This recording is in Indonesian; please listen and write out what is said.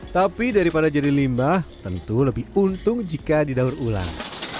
tapi daripada jadi limbah tentu lebih untung jika didaur ulang